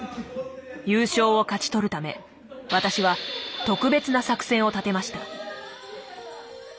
優勝を勝ち取るため私は特別な作戦を立てました。